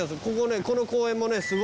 ここねこの公園もね